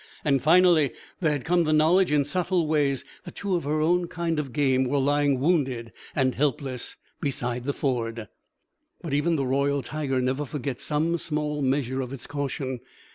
And finally there had come the knowledge, in subtle ways, that two of her own kind of game were lying wounded and helpless beside the ford. But even the royal tiger never forgets some small measure of its caution.